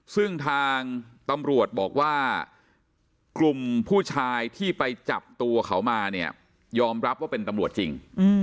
ซึ่งทางตำรวจบอกคลุมผู้ชายที่ไปจับตัวเขามายอมรับเป็นตำรวจจริง